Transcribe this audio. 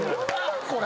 これ。